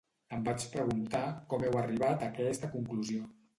Em vaig preguntar com heu arribat a aquesta conclusió.